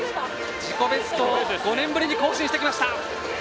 自己ベストを５年ぶりに更新してきました。